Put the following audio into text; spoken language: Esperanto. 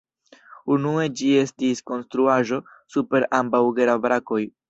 Unue ĝi estis konstruaĵo super ambaŭ Gera-brakoj.